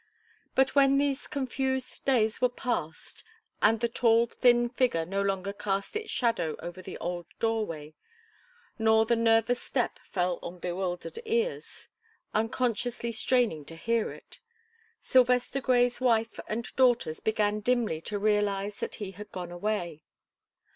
But when these confused days were past and the tall, thin figure no longer cast its shadow over the old doorway, nor the nervous step fell on bewildered ears, unconsciously straining to hear it, Sylvester Grey's wife and daughters began dimly to realize that he had gone away.